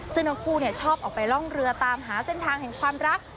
ซึ่งทั้งคู่ชอบออกไปร่องเรือตามหาเส้นทางแห่งความรัก